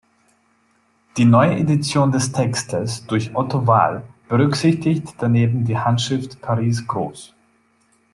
Die Neuedition des Textes durch Otto Wahl berücksichtigt daneben die "Handschrift Paris gr.